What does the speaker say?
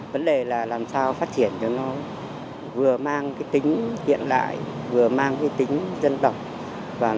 vấn đề là làm sao phát triển cho nó vừa mang cái tính hiện đại vừa mang cái tính dân độc và nó đáp ứng được những nhu cầu lành mạnh của xã hội